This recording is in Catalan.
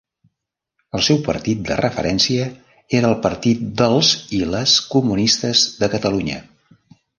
El seu partit de referència era el Partit dels i les Comunistes de Catalunya.